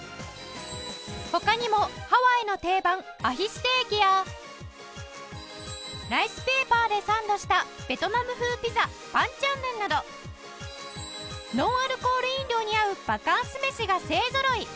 他にもハワイの定番アヒステーキやライスペーパーでサンドしたベトナム風ピザバンチャンヌンなどノンアルコール飲料に合うバカンス飯が勢ぞろい！